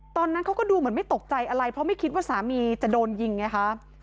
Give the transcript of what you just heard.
ตอนนั้นเขาก็ดูเหมือนไม่ตกใจอะไรเพราะไม่คิดว่าสามีจะโดนยิงไงคะ